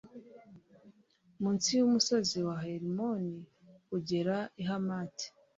mu nsi y'umusozi wa herimoni kugera i hamati